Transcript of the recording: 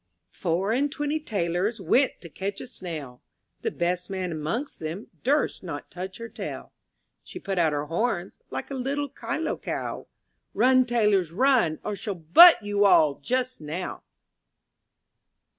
~"OUR AND TWENTY tailors went to catch a snail; The best man amongst them durst not touch her tail; She put out her horns, like a little Kyloe cow. Run, tailors, run, or she'll butt you all just now.